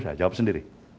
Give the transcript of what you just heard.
saya jawab sendiri